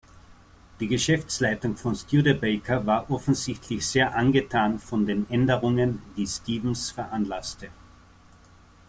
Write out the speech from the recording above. Die Geschäftsleitung von Studebaker war offensichtlich sehr angetan von den Änderungen, die Stevens veranlasste.